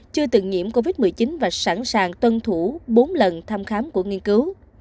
chưa từng nhiễm covid một mươi chín và sẵn sàng tuân thủ bốn lần thăm khám của nghiên cứu